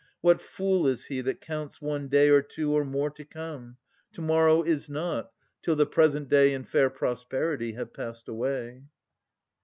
What fool is he That counts one day, or two, or more to come? To morrow is not, till the present day In fair prosperity have passed away.